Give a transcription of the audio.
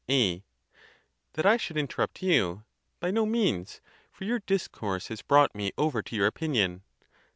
A. That I should interrupt you! By no means; for your discourse has brought me over to your opinion.